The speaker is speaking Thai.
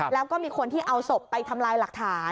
แล้วก็มีคนที่เอาศพไปทำลายหลักฐาน